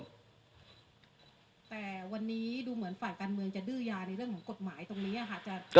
แต่วันนี้ดูเหมือนฝ่ายการเมืองจะดื้อยาในเรื่องของกฎหมายตรงนี้ค่ะ